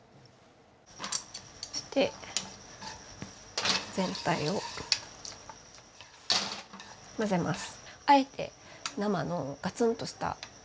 そして全体を混ぜます。